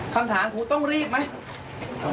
คำถามครูต้องรีบไหม